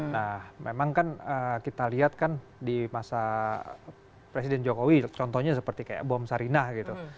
nah memang kan kita lihat kan di masa presiden jokowi contohnya seperti kayak bom sarinah gitu